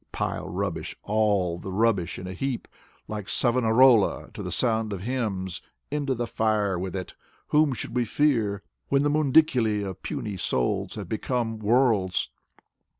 Pile rubbish, all the rubbish in a heap. And like Savonarola, to the sound of hymns. Into the fire with it. ... Whom should we fear? When the mundiculi of puny souls have become — ^worlds.